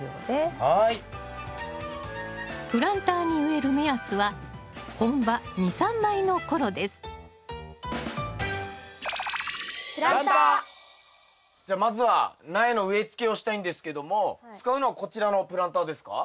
プランターに植える目安は本葉２３枚の頃ですじゃまずは苗の植えつけをしたいんですけども使うのはこちらのプランターですか？